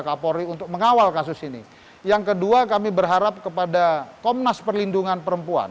kapolri untuk mengawal kasus ini yang kedua kami berharap kepada komnas perlindungan perempuan